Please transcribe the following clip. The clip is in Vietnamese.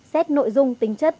xét nội dung tính chất